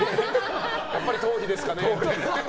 やっぱり頭皮ですかねって。